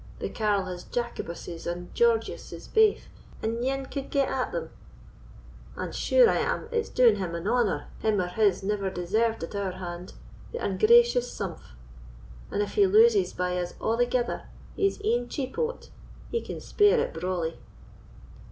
The carle has Jacobuses and Georgiuses baith, an ane could get at them; and sure I am, it's doing him an honour him or his never deserved at our hand, the ungracious sumph; and if he loses by us a'thegither, he is e'en cheap o't: he can spare it brawly."